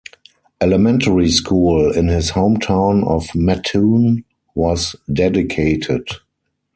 Elementary School in his hometown of Mattoon was dedicated.